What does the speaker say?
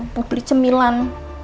mau beli cemilan